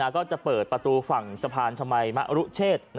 ก็จะเปิดประตูฝั่งสะพานชมัยมะรุเชษ